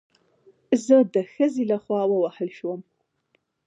زه د ښځې له خوا ووهل شوم